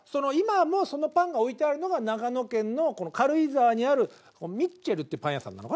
今もそのパンが置いてあるのが長野県の軽井沢にある「ミッチェル」ってパン屋さん。